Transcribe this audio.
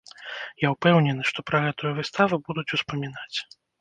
Я ўпэўнены, што пра гэтую выставу будуць успамінаць.